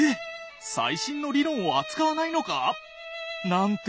最新の理論を扱わないのか！？なんて